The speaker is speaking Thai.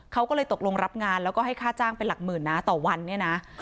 เขาก็เลยตกลงรับงานแล้วก็ให้ค่าจ้างเป็นหลักหมื่นนะต่อวันเนี่ยนะ